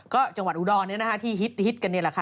ก็จังหวัดอุดรที่ฮิตกันนี่แหละค่ะ